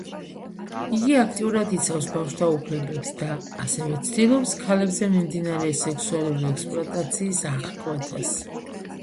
იგი აქტიურად იცავს ბავშვთა უფლებებს და ასევე ცდილობს, ქალებზე მიმდინარე სექსუალური ექსპლუატაციის აღკვეთას.